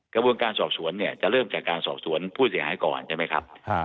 กระบวนการสอบสวนเนี่ยจะเริ่มจากการสอบสวนผู้เสียหายก่อนใช่ไหมครับ